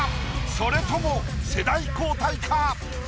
それとも世代交代か？